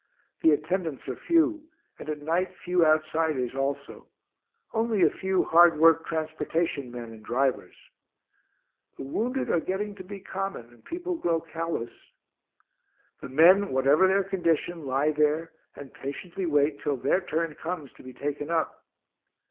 The attendants are few, and at night few outsiders also only a few hard worked transportation men and drivers. (The wounded are getting to be common, and people grow callous.) The men, whatever their condition, lie there and patiently wait till their turn comes to be taken up.